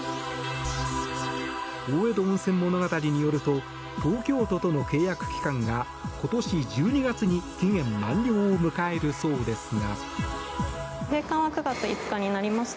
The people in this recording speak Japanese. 大江戸温泉物語によると東京都との契約期間が今年１２月に期限満了を迎えるそうですが。